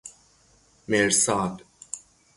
مرصاد